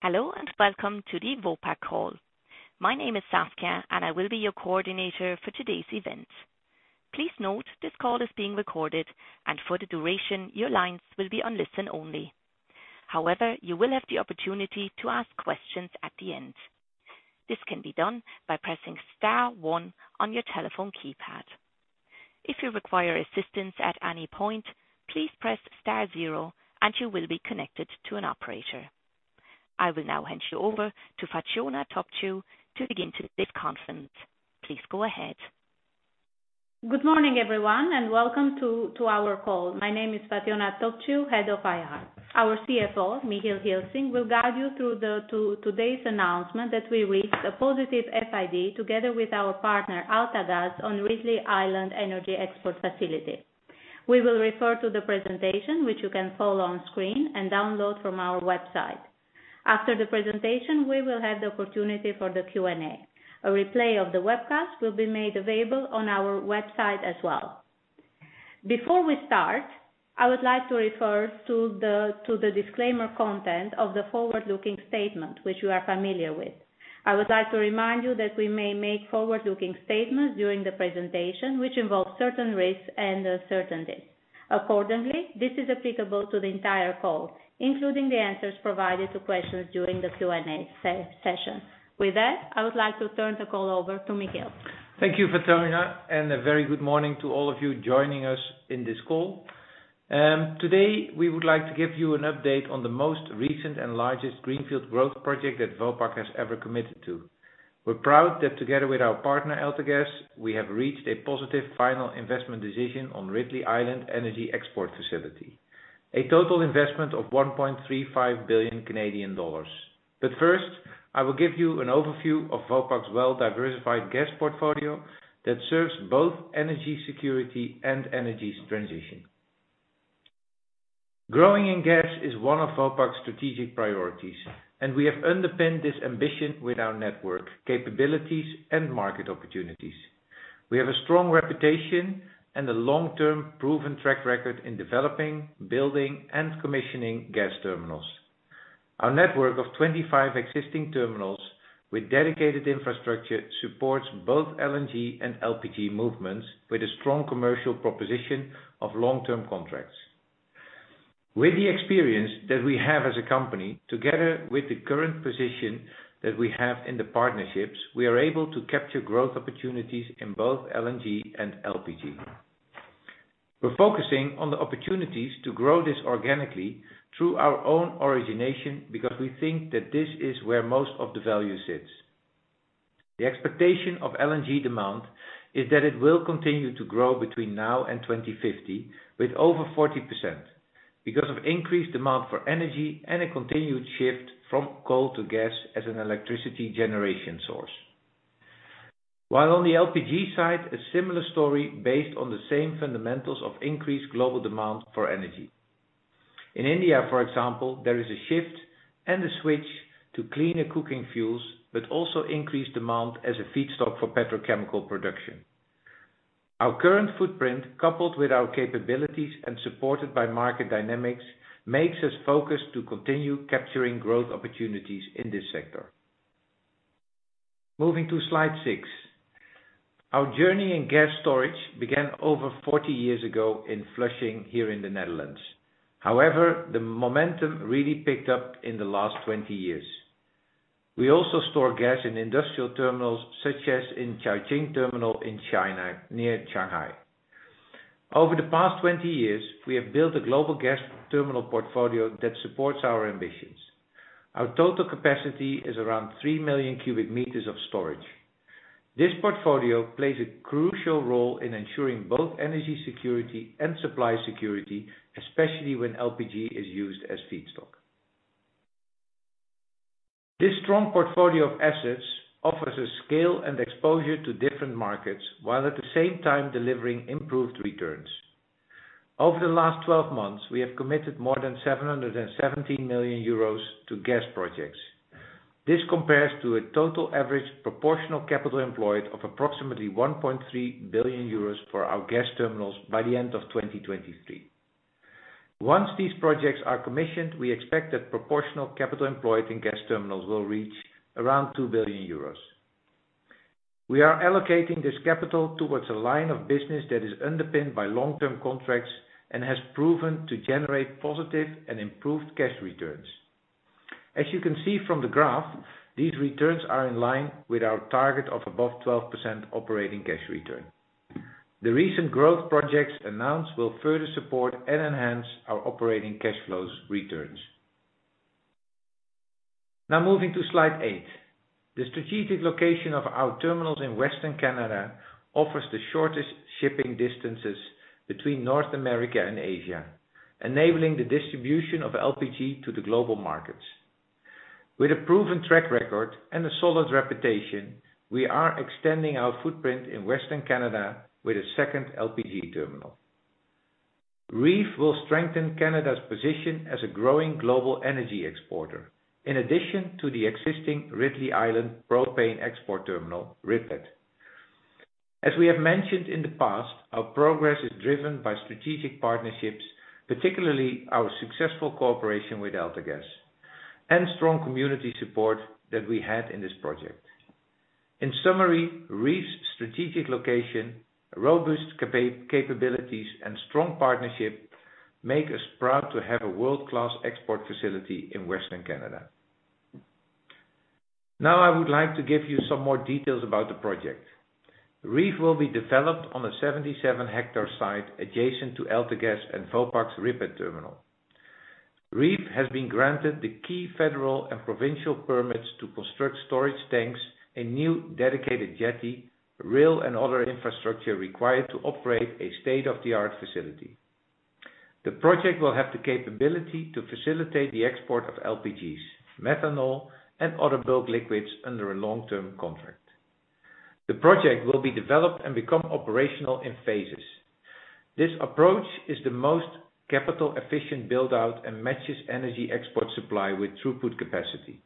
Hello, and welcome to the Vopak call. My name is Sophia, and I will be your coordinator for today's event. Please note, this call is being recorded, and for the duration, your lines will be on listen only. However, you will have the opportunity to ask questions at the end. This can be done by pressing star one on your telephone keypad. If you require assistance at any point, please press star zero, and you will be connected to an operator. I will now hand you over to Fatjona Topciu to begin today's conference. Please go ahead. Good morning, everyone, and welcome to our call. My name is Fatjona Topciu, head of IR. Our CFO, Michiel Gilsing, will guide you through to today's announcement that we reached a positive FID together with our partner, AltaGas, on Ridley Island Energy Export Facility. We will refer to the presentation, which you can follow on screen and download from our website. After the presentation, we will have the opportunity for the Q&A. A replay of the webcast will be made available on our website as well. Before we start, I would like to refer to the disclaimer content of the forward-looking statement, which you are familiar with. I would like to remind you that we may make forward-looking statements during the presentation, which involve certain risks and uncertainties. Accordingly, this is applicable to the entire call, including the answers provided to questions during the Q&A session. With that, I would like to turn the call over to Michiel. Thank you, Fatjona, and a very good morning to all of you joining us in this call. Today, we would like to give you an update on the most recent and largest greenfield growth project that Vopak has ever committed to. We're proud that together with our partner, AltaGas, we have reached a positive final investment decision on Ridley Island Energy Export Facility, a total investment of 1.35 billion Canadian dollars. But first, I will give you an overview of Vopak's well-diversified gas portfolio that serves both energy security and energy transition. Growing in gas is one of Vopak's strategic priorities, and we have underpinned this ambition with our network, capabilities, and market opportunities. We have a strong reputation and a long-term proven track record in developing, building, and commissioning gas terminals. Our network of 25 existing terminals with dedicated infrastructure supports both LNG and LPG movements, with a strong commercial proposition of long-term contracts. With the experience that we have as a company, together with the current position that we have in the partnerships, we are able to capture growth opportunities in both LNG and LPG. We're focusing on the opportunities to grow this organically through our own origination, because we think that this is where most of the value sits. The expectation of LNG demand is that it will continue to grow between now and 2050, with over 40%, because of increased demand for energy and a continued shift from coal to gas as an electricity generation source. While on the LPG side, a similar story based on the same fundamentals of increased global demand for energy. In India, for example, there is a shift and a switch to cleaner cooking fuels, but also increased demand as a feedstock for petrochemical production. Our current footprint, coupled with our capabilities and supported by market dynamics, makes us focused to continue capturing growth opportunities in this sector. Moving to slide six. Our journey in gas storage began over 40 years ago in Flushing, here in the Netherlands. However, the momentum really picked up in the last 20 years. We also store gas in industrial terminals, such as in Caojing terminal in China, near Shanghai. Over the past 20 years, we have built a global gas terminal portfolio that supports our ambitions. Our total capacity is around 3 million cubic meters of storage. This portfolio plays a crucial role in ensuring both energy security and supply security, especially when LPG is used as feedstock. This strong portfolio of assets offers a scale and exposure to different markets, while at the same time delivering improved returns. Over the last 12 months, we have committed more than CAD 717 million to gas projects. This compares to a total average proportional capital employed of approximately CAD 1.3 billion for our gas terminals by the end of 2023. Once these projects are commissioned, we expect that proportional capital employed in gas terminals will reach around CAD 2 billion. We are allocating this capital towards a line of business that is underpinned by long-term contracts and has proven to generate positive and improved cash returns. As you can see from the graph, these returns are in line with our target of above 12% operating cash return. The recent growth projects announced will further support and enhance our operating cash flows returns. Now moving to slide eight. The strategic location of our terminals in Western Canada offers the shortest shipping distances between North America and Asia, enabling the distribution of LPG to the global markets. With a proven track record and a solid reputation, we are extending our footprint in Western Canada with a second LPG terminal. REEF will strengthen Canada's position as a growing global energy exporter, in addition to the existing Ridley Island Propane Export Terminal, RIPET. As we have mentioned in the past, our progress is driven by strategic partnerships, particularly our successful cooperation with AltaGas, and strong community support that we had in this project. In summary, REEF's strategic location, robust capabilities, and strong partnership make us proud to have a world-class export facility in Western Canada. Now, I would like to give you some more details about the project. REEF will be developed on a 77-hectare site adjacent to AltaGas and Vopak's RIPET terminal. REEF has been granted the key federal and provincial permits to construct storage tanks, a new dedicated jetty, rail, and other infrastructure required to operate a state-of-the-art facility. The project will have the capability to facilitate the export of LPGs, methanol, and other bulk liquids under a long-term contract. The project will be developed and become operational in phases. This approach is the most capital efficient build-out and matches energy export supply with throughput capacity,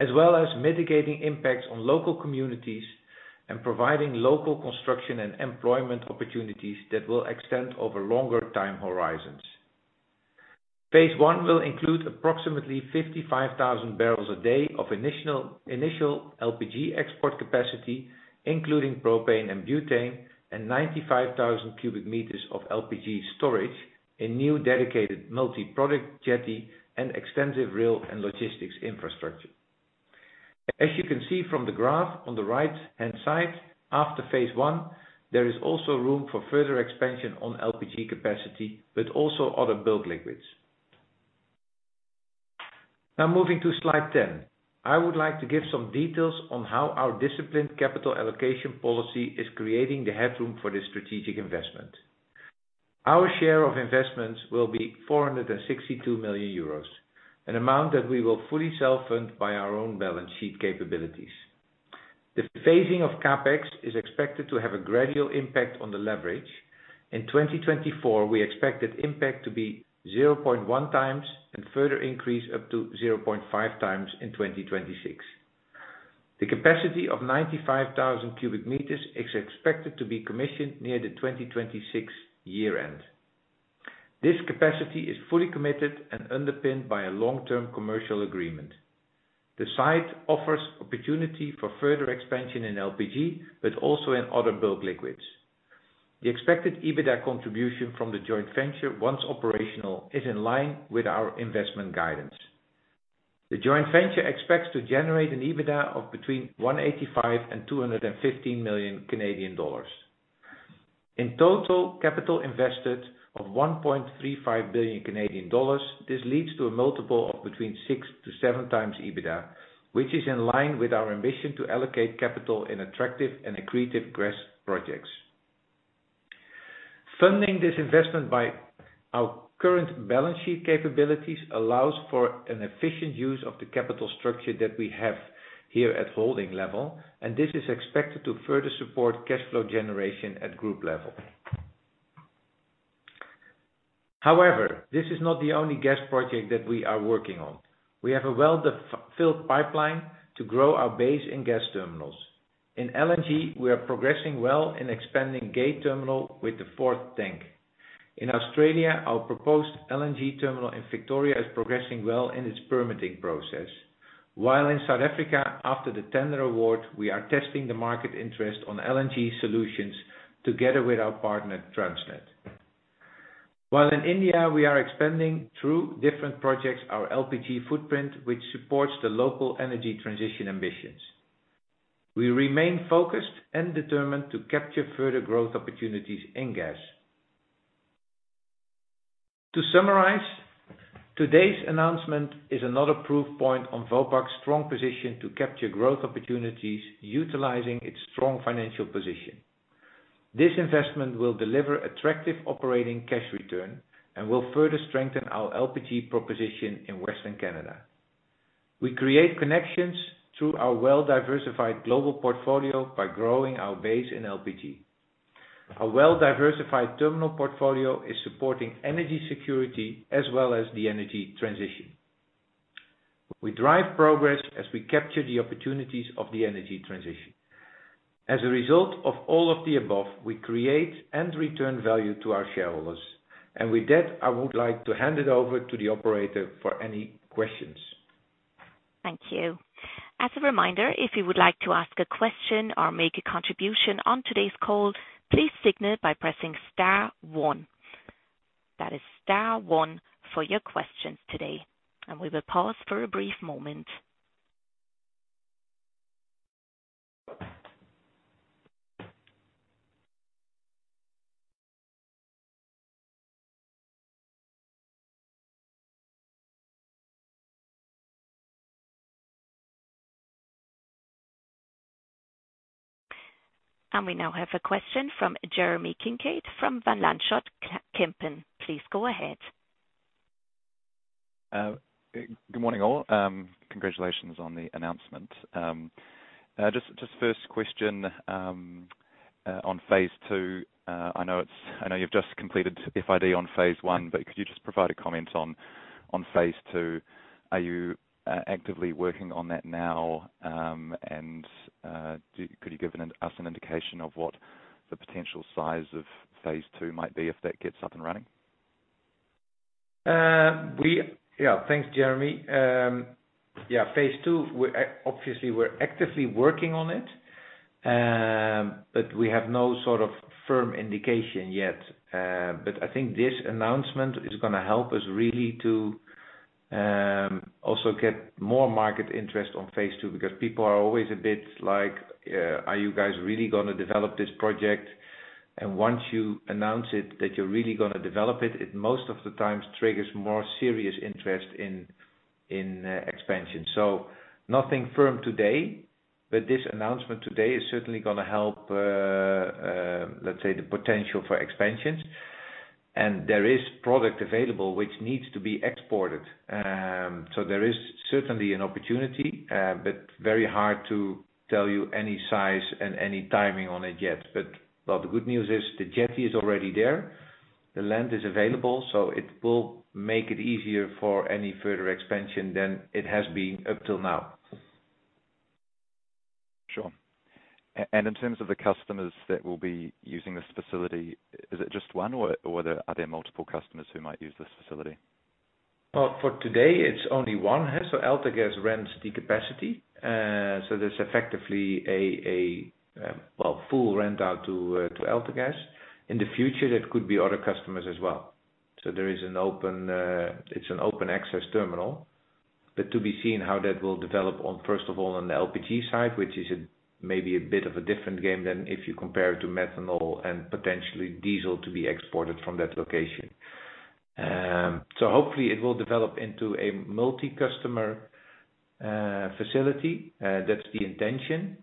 as well as mitigating impacts on local communities and providing local construction and employment opportunities that will extend over longer time horizons. phase I will include approximately 55,000 barrels a day of initial LPG export capacity, including propane and butane, and 95,000 cubic meters of LPG storage, a new dedicated multi-product jetty, and extensive rail and logistics infrastructure. As you can see from the graph on the right-hand side, after phase I, there is also room for further expansion on LPG capacity, but also other bulk liquids. Now, moving to slide 10. I would like to give some details on how our disciplined capital allocation policy is creating the headroom for this strategic investment. Our share of investments will be CAD 462 million, an amount that we will fully self-fund by our own balance sheet capabilities. The phasing of CapEx is expected to have a gradual impact on the leverage. In 2024, we expect that impact to be 0.1x and further increase up to 0.5x in 2026. The capacity of 95,000 cubic meters is expected to be commissioned near the 2026 year-end. This capacity is fully committed and underpinned by a long-term commercial agreement. The site offers opportunity for further expansion in LPG, but also in other bulk liquids. The expected EBITDA contribution from the joint venture, once operational, is in line with our investment guidance. The joint venture expects to generate an EBITDA of between 185 to 215 million. In total, capital invested of 1.35 billion Canadian dollars, this leads to a multiple of between 6x to 7x EBITDA, which is in line with our ambition to allocate capital in attractive and accretive gas projects. Funding this investment by our current balance sheet capabilities allows for an efficient use of the capital structure that we have here at holding level, and this is expected to further support cash flow generation at group level. However, this is not the only gas project that we are working on. We have a well-defined pipeline to grow our base in gas terminals. In LNG, we are progressing well in expanding Gate Terminal with the fourth tank. In Australia, our proposed LNG terminal in Victoria is progressing well in its permitting process. While in South Africa, after the tender award, we are testing the market interest on LNG solutions together with our partner, Transnet. While in India, we are expanding through different projects, our LPG footprint, which supports the local energy transition ambitions. We remain focused and determined to capture further growth opportunities in gas. To summarize, today's announcement is another proof point on Vopak's strong position to capture growth opportunities utilizing its strong financial position. This investment will deliver attractive operating cash return and will further strengthen our LPG proposition in Western Canada. We create connections through our well-diversified global portfolio by growing our base in LPG. Our well-diversified terminal portfolio is supporting energy security as well as the energy transition. We drive progress as we capture the opportunities of the energy transition. As a result of all of the above, we create and return value to our shareholders, and with that, I would like to hand it over to the operator for any questions. Thank you. As a reminder, if you would like to ask a question or make a contribution on today's call, please signal by pressing star one. That is star one for your questions today, and we will pause for a brief moment. We now have a question from Jeremy Kincaid, from Van Lanschot Kempen. Please go ahead. Good morning, all. Congratulations on the announcement. Just first question on phase II. I know you've just completed FID on phase I, but could you just provide a comment on phase II? Are you actively working on that now, and could you give us an indication of what the potential size of phase II might be if that gets up and running? Yeah, thanks, Jeremy. Yeah, phase II, we're obviously actively working on it, but we have no sort of firm indication yet. But I think this announcement is gonna help us really to also get more market interest on phase II, because people are always a bit like, "Are you guys really gonna develop this project?" And once you announce it, that you're really gonna develop it, it most of the times triggers more serious interest in expansion. So nothing firm today, but this announcement today is certainly gonna help, let's say, the potential for expansions. And there is product available which needs to be exported, so there is certainly an opportunity, but very hard to tell you any size and any timing on it yet. Well, the good news is the jetty is already there, the land is available, so it will make it easier for any further expansion than it has been up till now. Sure. And in terms of the customers that will be using this facility, is it just one, or are there multiple customers who might use this facility? Well, for today, it's only one, so AltaGas rents the capacity, so there's effectively a well, full rent out to AltaGas. In the future, that could be other customers as well. So there is an open, it's an open access terminal, but to be seen how that will develop on, first of all, on the LPG side, which is maybe a bit of a different game than if you compare it to methanol and potentially diesel to be exported from that location. So hopefully it will develop into a multi-customer facility. That's the intention,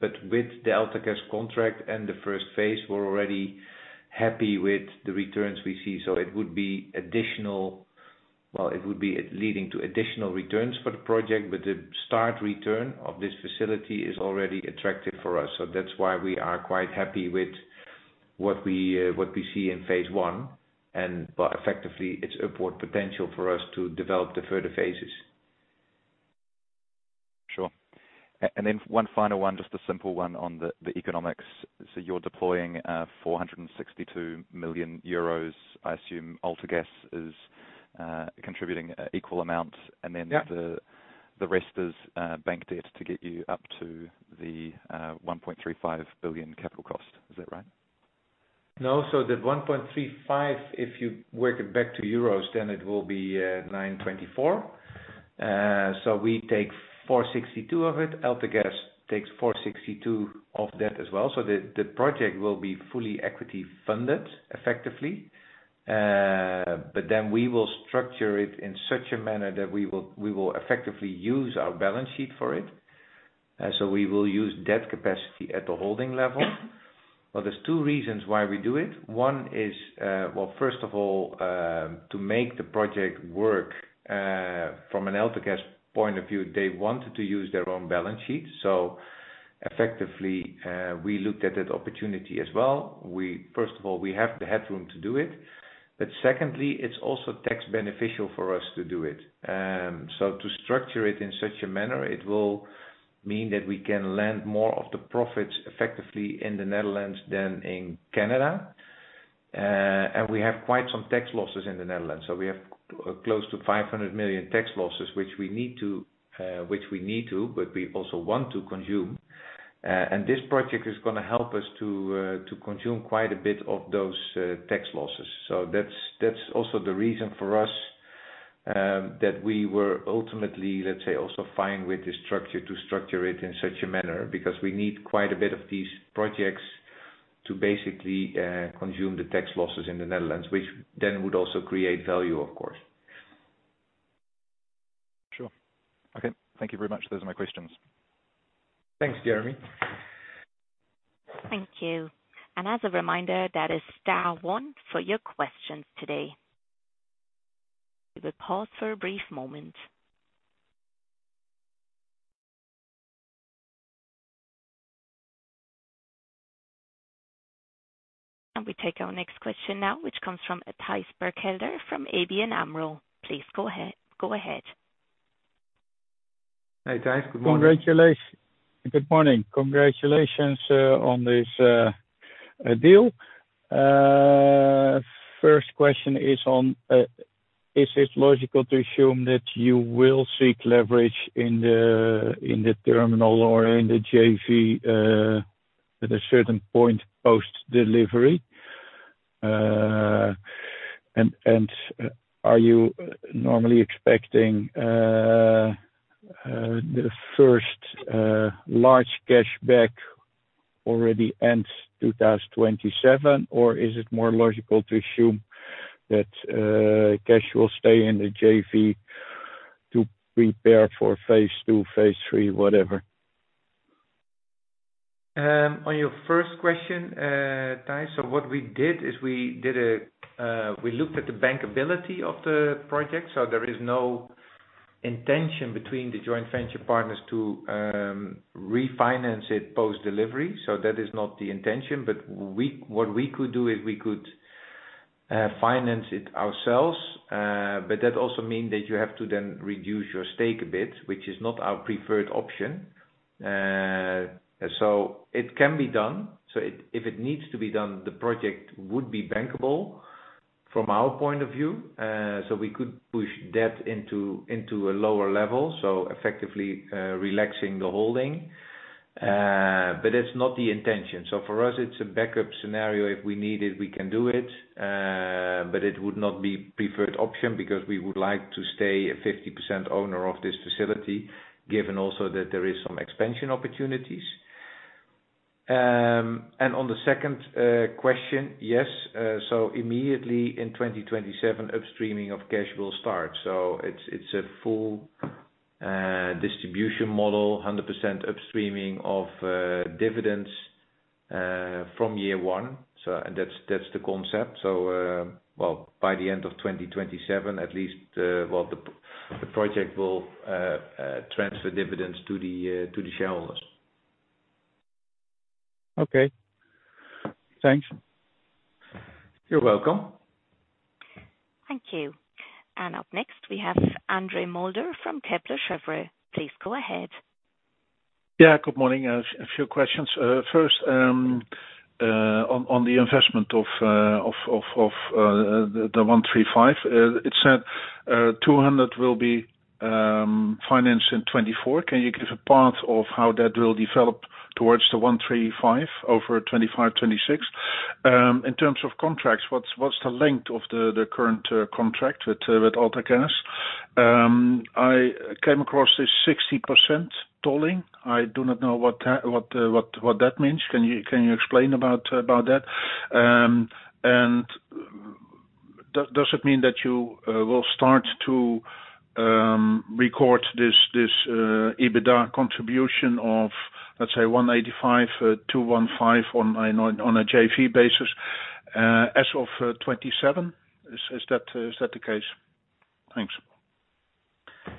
but with the AltaGas contract and the first phase, we're already happy with the returns we see. So it would be additional ... Well, it would be leading to additional returns for the project, but the start return of this facility is already attractive for us. So that's why we are quite happy with what we, what we see in phase I, and, well, effectively, it's upward potential for us to develop the further phases. Sure. And then one final one, just a simple one on the economics. So you're deploying CAD 462 million. I assume AltaGas is contributing an equal amount and then the rest is bank debt to get you up to the 1.35 billion capital cost. Is that right? No, so the 1.35, if you work it back to CADos, then it will be 924. So we take 462 of it, AltaGas takes 462 of that as well, so the project will be fully equity funded effectively. But then we will structure it in such a manner that we will, we will effectively use our balance sheet for it. So we will use debt capacity at the holding level. Well, there's two reasons why we do it. One is, well, first of all, to make the project work, from an AltaGas point of view, they wanted to use their own balance sheet, so effectively, we looked at that opportunity as well. We, first of all, we have the headroom to do it, but secondly, it's also tax beneficial for us to do it. So to structure it in such a manner, it will mean that we can lend more of the profits effectively in the Netherlands than in Canada. And we have quite some tax losses in the Netherlands, so we have close to 500 million tax losses, which we need to, but we also want to consume, and this project is gonna help us to consume quite a bit of those tax losses. So that's, that's also the reason for us, that we were ultimately, let's say, also fine with the structure, to structure it in such a manner, because we need quite a bit of these projects to basically consume the tax losses in the Netherlands, which then would also create value, of course. Sure. Okay, thank you very much. Those are my questions. Thanks, Jeremy. Thank you. As a reminder, that is star one for your questions today. We will pause for a brief moment. We take our next question now, which comes from Thijs Berkelder from ABN AMRO. Please go ahead. Hey, Thijs, good morning. Good morning. Congratulations on this deal. First question is on, is it logical to assume that you will seek leverage in the terminal or in the JV at a certain point post-delivery? And are you normally expecting the first large cash back already end 2027, or is it more logical to assume that cash will stay in the JV to prepare for phase II, phase III, whatever? On your first question, Thijs, so what we did is we looked at the bankability of the project, so there is no intention between the joint venture partners to refinance it post-delivery, so that is not the intention. But we, what we could do is we could finance it ourselves, but that also mean that you have to then reduce your stake a bit, which is not our preferred option. So it can be done. So if it needs to be done, the project would be bankable from our point of view. So we could push debt into a lower level, so effectively, relaxing the holding. But that's not the intention. So for us, it's a backup scenario. If we need it, we can do it, but it would not be preferred option because we would like to stay a 50% owner of this facility, given also that there is some expansion opportunities. And on the second question, yes, so immediately in 2027, upstreaming of cash will start. So it's, it's a full, distribution model, 100% upstreaming of, dividends, from year one. So and that's, that's the concept. So, well, by the end of 2027, at least, well, the, the project will, transfer dividends to the, to the shareholders. Okay, thanks. You're welcome. Thank you. And up next, we have Andre Mulder from Kepler Cheuvreux. Please go ahead. Yeah, good morning. A few questions. First, on the investment of the 135, it said, 200 will be financed in 2024. Can you give a path of how that will develop towards the 135 over 2025, 2026? In terms of contracts, what's the length of the current contract with AltaGas? I came across this 60% tolling. I do not know what that means. Can you explain about that? And does it mean that you will start to record this EBITDA contribution of, let's say, 185 to 215 on a JV basis, as of 2027? Is that the case? Thanks.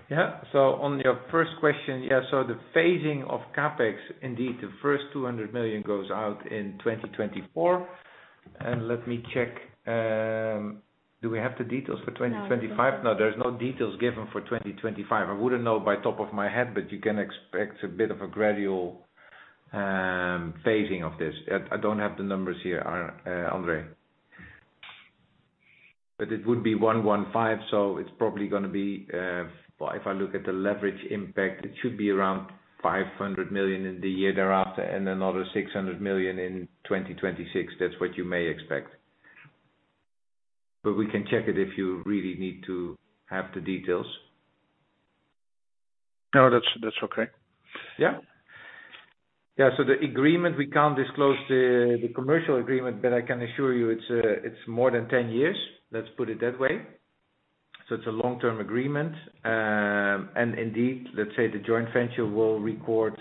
Yeah. So on your first question, yeah, so the phasing of CapEx, indeed, the first 200 million goes out in 2024. And let me check, do we have the details for 2025? No. No, there's no details given for 2025. I wouldn't know by top of my head, but you can expect a bit of a gradual phasing of this. I don't have the numbers here, Andre, but it would be 115, so it's probably gonna be... Well, if I look at the leverage impact, it should be around 500 million in the year thereafter, and another 600 million in 2026. That's what you may expect. But we can check it if you really need to have the details. No, that's okay. Yeah? Yeah, so the agreement, we can't disclose the, the commercial agreement, but I can assure you it's, it's more than 10 years. Let's put it that way. So it's a long-term agreement. And indeed, let's say the joint venture will record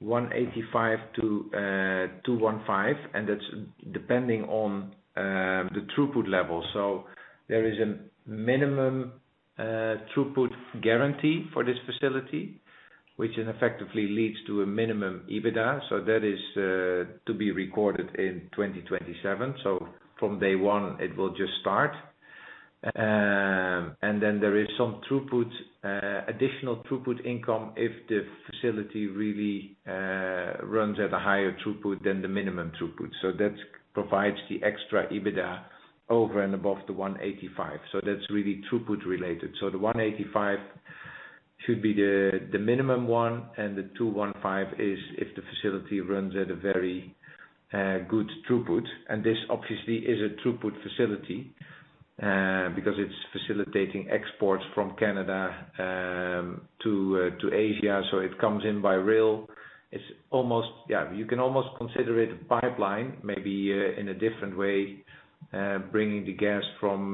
185 to 215 million, and that's depending on the throughput level. So there is a minimum throughput guarantee for this facility, which effectively leads to a minimum EBITDA. So that is to be recorded in 2027. So from day one, it will just start. And then there is some throughput additional throughput income if the facility really runs at a higher throughput than the minimum throughput. So that's provides the extra EBITDA over and above the 185 million. So that's really throughput related. So the 185 million should be the minimum one, and the 215 million is if the facility runs at a very good throughput, and this obviously is a throughput facility because it's facilitating exports from Canada to Asia. So it comes in by rail. It's almost. Yeah, you can almost consider it a pipeline, maybe, in a different way, bringing the gas from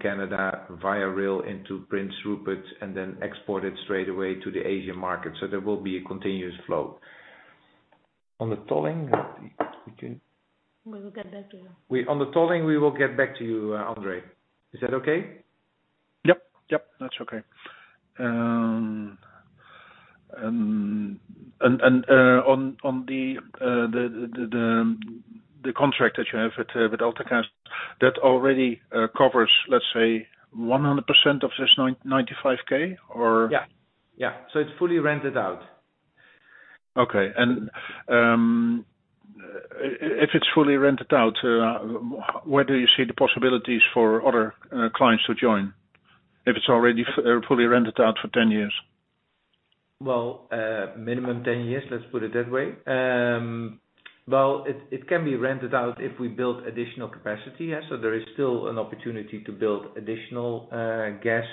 Canada via rail into Prince Rupert and then export it straight away to the Asian market. So there will be a continuous flow. On the tolling, we can- We will get back to you. On the tolling, we will get back to you, Andre. Is that okay? Yep, yep, that's okay. And on the contract that you have with AltaGas, that already covers, let's say, 100% of this 995K or? Yeah, yeah. So it's fully rented out. Okay. And, if it's fully rented out, where do you see the possibilities for other clients to join, if it's already fully rented out for 10 years? Well, minimum 10 years, let's put it that way. Well, it can be rented out if we build additional capacity. Yeah, so there is still an opportunity to build additional gas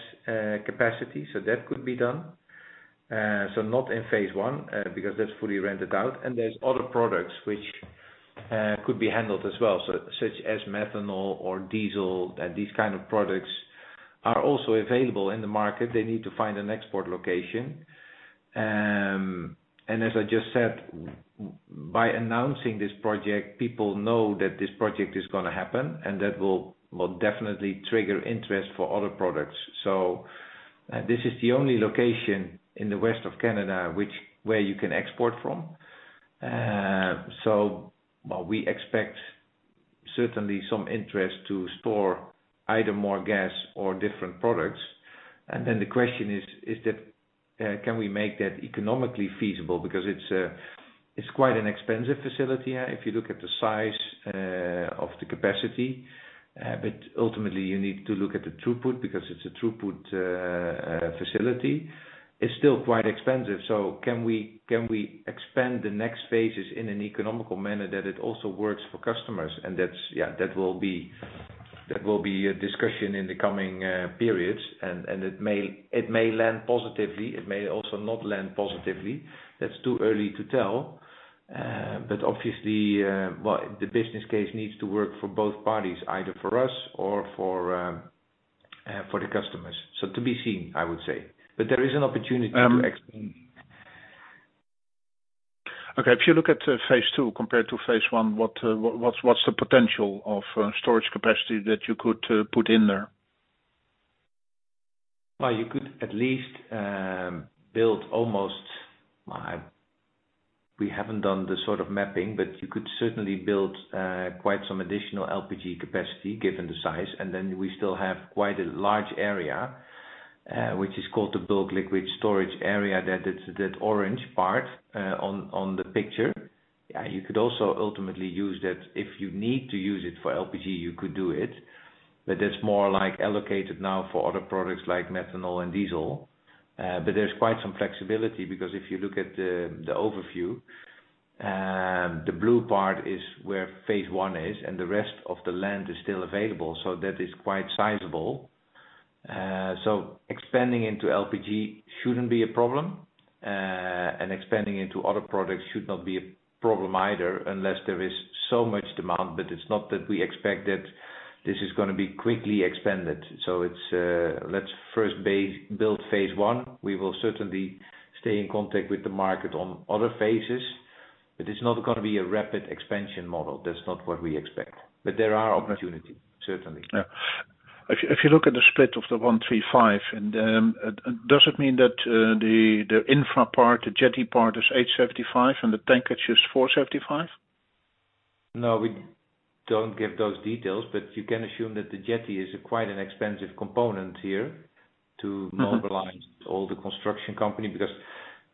capacity, so that could be done. So not in phase I, because that's fully rented out. And there's other products which could be handled as well, so such as methanol or diesel. These kind of products are also available in the market. They need to find an export location... And as I just said, by announcing this project, people know that this project is gonna happen, and that will definitely trigger interest for other products. So, this is the only location in the west of Canada, which where you can export from. So while we expect certainly some interest to store either more gas or different products, and then the question is, is that, can we make that economically feasible? Because it's quite an expensive facility, if you look at the size of the capacity. But ultimately you need to look at the throughput, because it's a throughput facility. It's still quite expensive, so can we, can we expand the next phases in an economical manner that it also works for customers? And that's... Yeah, that will be, that will be a discussion in the coming periods. And it may, it may land positively, it may also not land positively. That's too early to tell. But obviously, well, the business case needs to work for both parties, either for us or for the customers. To be seen, I would say. There is an opportunity to expand. Okay, if you look at phase II compared to phase I, what's the potential of storage capacity that you could put in there? Well, you could at least build. We haven't done the sort of mapping, but you could certainly build quite some additional LPG capacity, given the size. And then we still have quite a large area, which is called the bulk liquid storage area, that it's that orange part on the picture. You could also ultimately use that. If you need to use it for LPG, you could do it, but that's more like allocated now for other products like methanol and diesel. But there's quite some flexibility, because if you look at the overview, the blue part is where phase I is, and the rest of the land is still available, so that is quite sizable. So expanding into LPG shouldn't be a problem, and expanding into other products should not be a problem either, unless there is so much demand. But it's not that we expect that this is gonna be quickly expanded. So it's, let's first build phase I. We will certainly stay in contact with the market on other phases, but it's not gonna be a rapid expansion model. That's not what we expect. But there are opportunities, certainly. Yeah. If you look at the split of the 135, and does it mean that the infra part, the jetty part, is 875 and the tankage is 475? No, we don't give those details, but you can assume that the jetty is quite an expensive component here to mobilize all the construction company, because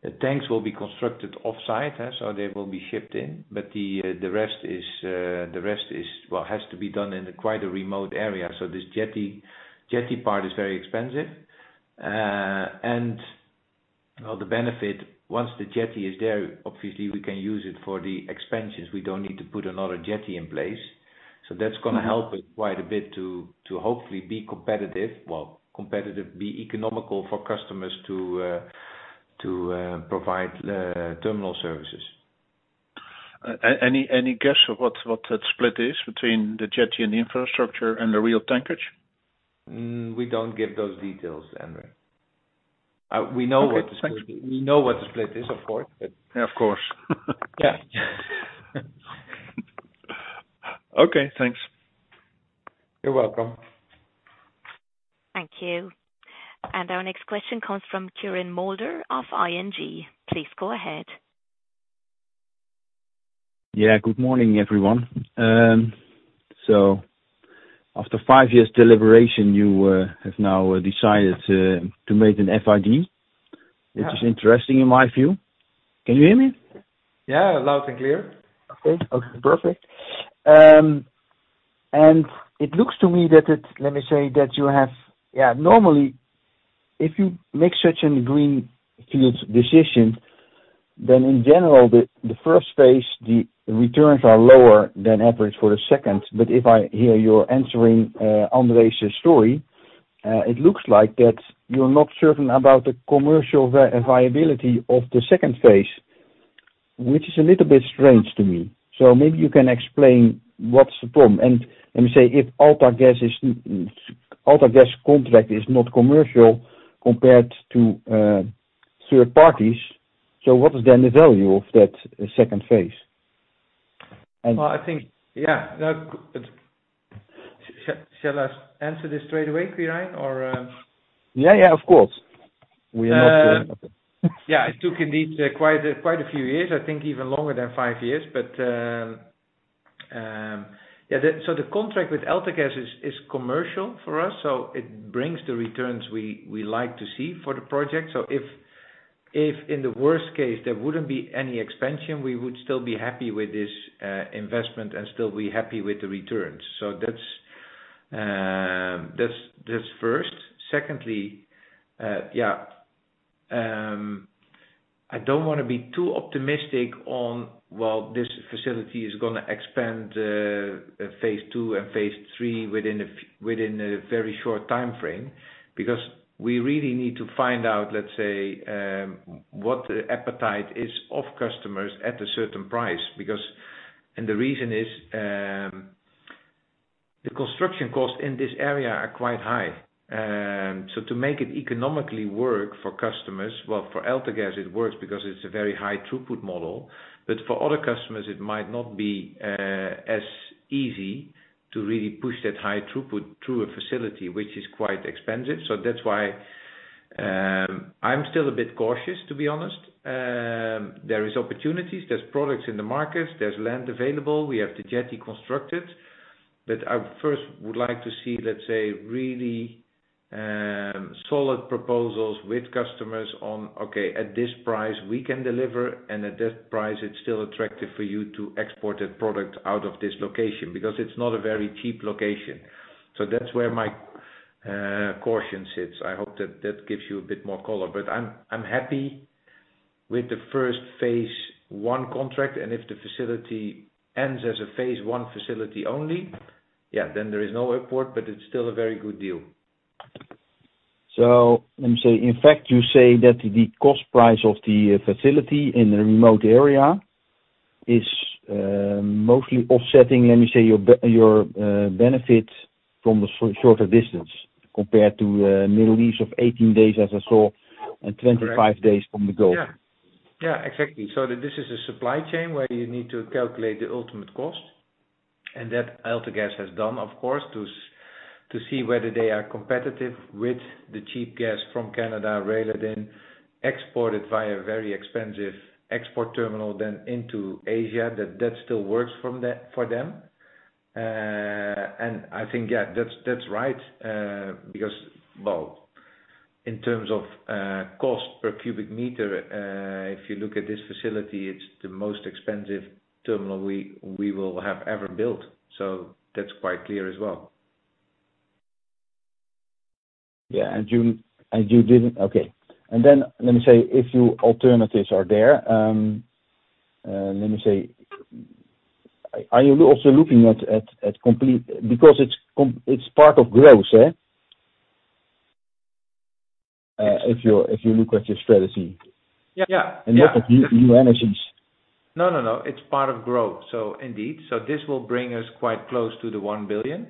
the tanks will be constructed offsite, so they will be shipped in, but the rest is, the rest is, well, has to be done in quite a remote area. So this jetty, jetty part is very expensive. And, well, the benefit, once the jetty is there, obviously we can use it for the expansions. We don't need to put another jetty in place. That's gonna help us quite a bit to hopefully be competitive, well, be economical for customers to provide terminal services. Any guess of what that split is between the jetty and the infrastructure and the real tankage? We don't give those details, Andre. We know what the split is, of course, but- Yeah, of course. Yeah. Okay, thanks. You're welcome. Thank you. And our next question comes from Quirijn Mulder of ING. Please go ahead. Yeah, good morning, everyone. So after five years deliberation, you have now decided to make an FID, which is interesting in my view. Can you hear me? Yeah, loud and clear. Okay. Okay, perfect. And it looks to me that it... Let me say that you have— Yeah, normally, if you make such a greenfield decision, then in general, the first phase, the returns are lower than average for the second. But if I hear your answering, Andre's story, it looks like that you're not certain about the commercial viability of the second phase, which is a little bit strange to me. So maybe you can explain what's the problem, and say, if AltaGas is, AltaGas contract is not commercial compared to third parties, so what is then the value of that second phase? And- Well, I think... Yeah, no, shall I answer this straight away, Quirijn, or? Yeah, yeah, of course. Yeah, it took indeed quite a few years, I think even longer than 5 years. But yeah, the contract with AltaGas is commercial for us, so it brings the returns we like to see for the project. So if in the worst case, there wouldn't be any expansion, we would still be happy with this investment and still be happy with the returns. So that's first. Secondly, yeah, I don't wanna be too optimistic on, well, this facility is gonna expand phase II and phase III within a very short timeframe, because we really need to find out, let's say, what the appetite is of customers at a certain price. Because the reason is, the construction costs in this area are quite high. So to make it economically work for customers, well, for AltaGas it works because it's a very high throughput model, but for other customers, it might not be as easy to really push that high throughput through a facility which is quite expensive. So that's why I'm still a bit cautious, to be honest. There is opportunities, there's products in the market, there's land available, we have the jetty constructed. But I first would like to see, let's say, really solid proposals with customers on, okay, at this price, we can deliver, and at this price, it's still attractive for you to export a product out of this location, because it's not a very cheap location. So that's where my caution sits. I hope that that gives you a bit more color, but I'm happy with the first phase I contract, and if the facility ends as a phase I facility only, yeah, then there is no airport, but it's still a very good deal. So let me say, in fact, you say that the cost price of the facility in the remote area is mostly offsetting, let me say, your benefit from the shorter distance compared to Middle East of 18 days, as I saw, and 25 days from the Gulf. Yeah. Yeah, exactly. So this is a supply chain where you need to calculate the ultimate cost, and that AltaGas has done, of course, to see whether they are competitive with the cheap gas from Canada, rail it in, exported via very expensive export terminal then into Asia, that that still works from them, for them. And I think, yeah, that's, that's right, because, well, in terms of cost per cubic meter, if you look at this facility, it's the most expensive terminal we will have ever built, so that's quite clear as well. Yeah... Okay. And then let me say, if your alternatives are there, are you also looking at complete— because it's com, it's part of growth, eh? If you look at your strategy. Yeah. Yeah. Look at new, new energies. No, no, no, it's part of growth, so indeed. So this will bring us quite close to the 1 billion,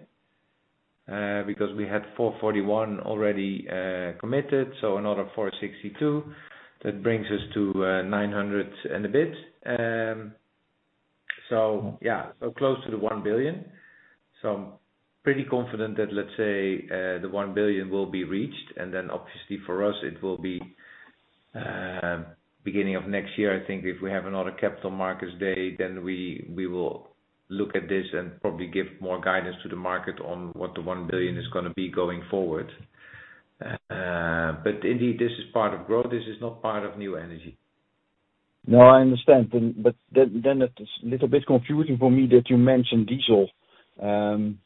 because we had 441 million already committed, so another 462 million, that brings us to 900 million and a bit. So yeah, so close to the 1 billion. So I'm pretty confident that, let's say, the 1 billion will be reached, and then obviously for us, it will be beginning of next year, I think, if we have another capital markets day, then we, we will look at this and probably give more guidance to the market on what the 1 billion is gonna be going forward. But indeed, this is part of growth. This is not part of new energy. No, I understand. Then it's little bit confusing for me that you mentioned diesel. Given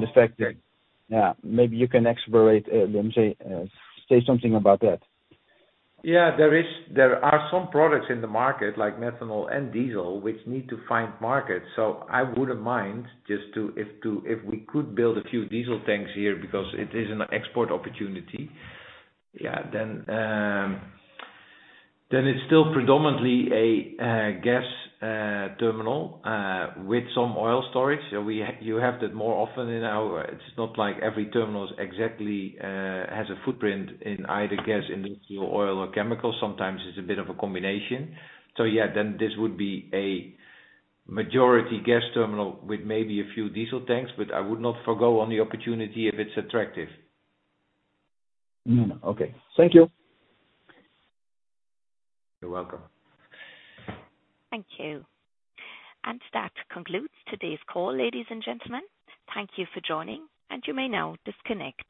the fact that... Yeah, maybe you can elaborate, say something about that. Yeah, there is, there are some products in the market, like methanol and diesel, which need to find markets. So I wouldn't mind just to if we could build a few diesel tanks here, because it is an export opportunity. Yeah, then it's still predominantly a gas terminal with some oil storage. So you have that more often in our... It's not like every terminal is exactly has a footprint in either gas, in oil or chemical. Sometimes it's a bit of a combination. So yeah, then this would be a majority gas terminal with maybe a few diesel tanks, but I would not forgo on the opportunity if it's attractive. Okay. Thank you. You're welcome. Thank you. And that concludes today's call, ladies and gentlemen. Thank you for joining, and you may now disconnect.